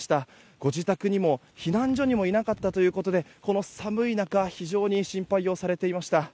ご自宅にも避難所にもいなかったということでこの寒い中非常に心配をされていました。